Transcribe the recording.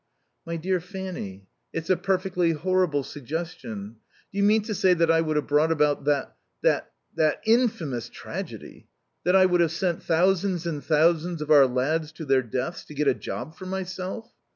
"My dear Fanny, it's a perfectly horrible suggestion. Do you mean to say that I would have brought about that that infamous tragedy, that I would have sent thousands and thousands of our lads to their deaths to get a job for myself?